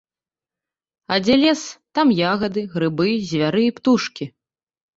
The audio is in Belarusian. А дзе лес, там ягады, грыбы, звяры і птушкі.